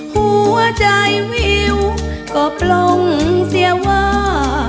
หัวใจวิวก็ปลงเสียว่า